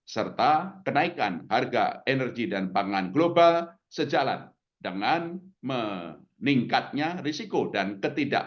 serta kenaikan harga energi dan pangan global sejalan dengan meningkatnya risiko dan ketidakpasti